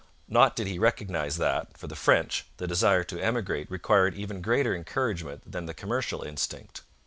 Nor did he recognize that, for the French, the desire to emigrate required even greater encouragement than the commercial instinct.